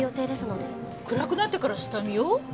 暗くなってから下見を？